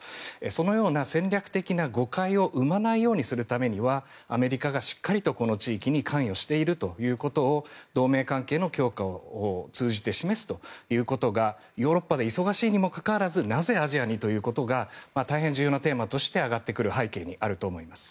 そのような戦略的な誤解を生まないようにするためにはアメリカがしっかりとこの地域に関与しているということを同盟関係の強化を通じて示すということがヨーロッパで忙しいにもかかわらずなぜ、アジアにということが大変重要なテーマとして挙がってくる背景にあると思います。